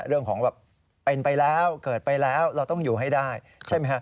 เป็นไปแล้วเกิดไปแล้วเราต้องอยู่ให้ได้ใช่ไหมฮะ